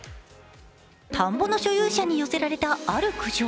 田んぼの所有者に寄せられたある苦情。